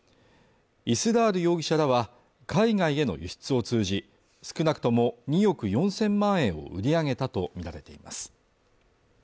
イスラール容疑者らは海外への輸出を通じ少なくとも２億４０００万円を売り上げたとみられています